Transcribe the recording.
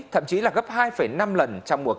thậm chí là gấp hai năm lần